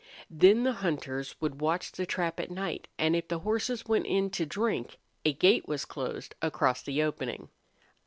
Then the hunters would watch the trap at night, and if the horses went in to drink, a gate was closed across the opening.